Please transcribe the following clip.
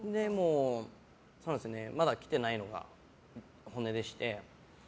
まだ来てないのが本音でして。